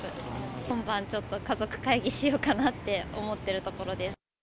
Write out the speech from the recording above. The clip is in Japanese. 今晩、ちょっと、家族会議しようかなって思ってるところです。